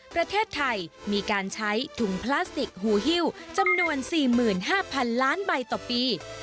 ประเทศไทยมีการใช้ถุงพลาสติกหูฮิวจำนวน๔๕๐๐๐ล้านใบต่อปี